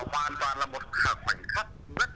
hoàn toàn là một khoảnh khắc